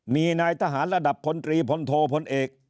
มีนายทหารระดับพลตรีพลโทพลเอก